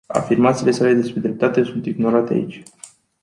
Afirmațiile sale despre dreptate sunt ignorate aici.